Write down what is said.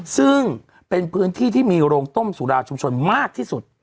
ซึ่งเป็นพื้นที่ที่มีโรงต้มสุราชุมชนมากที่สุด